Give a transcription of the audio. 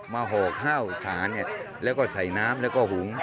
ห่อข้าวขาแล้วก็ใส่น้ำแล้วก็หุง